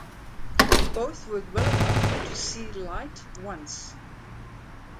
Both worked well enough to see light once.